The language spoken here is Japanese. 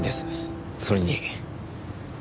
それに。